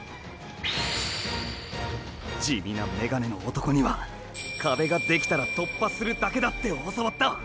地味なメガネの男には壁ができたら突破するだけだって教わった。